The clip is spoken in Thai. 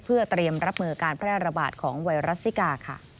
เพื่อเตรียมรับมือการแพร่ระบาดของไวรัสซิกาค่ะ